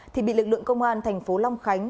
thì bị lực lượng công an tp long khánh